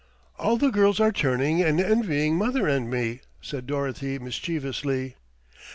"All the girls are turning and envying mother and me," said Dorothy mischievously.